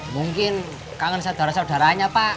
mungkin kangen saudara saudaranya pak